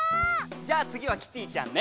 じゃ次はキティちゃんね。